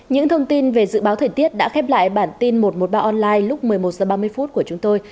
những thông tin về dự báo thời tiết đã khép lại bản tin một trăm một mươi ba online lúc một mươi một h ba mươi của chúng tôi